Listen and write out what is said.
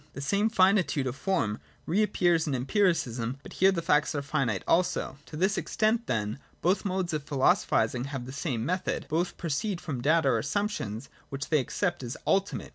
The same finitude of form reappears in Empiricism— but here the facts are finite also. To this ex tent, then, both modes of philosophising have the same 38, 39 ] EMPIRICISM. 8 1 method ; both proceed from data or assumptions, which they accept as ultimate.